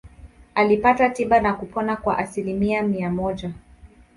Alipata tiba na kupona kwa asilimia mia moja.